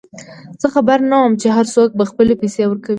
زه خبر نه وم چې هرڅوک به خپلې پیسې ورکوي.